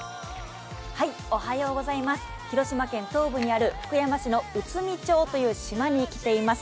広島県東部にある福山市の内海町という島に来ています。